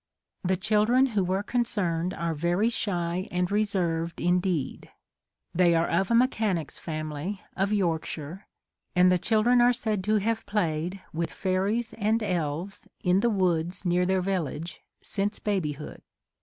The chil dren who were concerned are very shy and reserved indeed. ... They are of a me chanic's family of Yorkshire, and the chil dren are said to have played with fairies and elves in the woods near their village since babyhood.